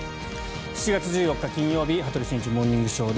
７月１４日、金曜日「羽鳥慎一モーニングショー」。